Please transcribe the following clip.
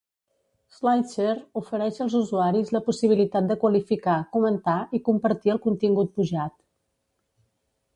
Slideshare ofereix als usuaris la possibilitat de qualificar, comentar i compartir el contingut pujat.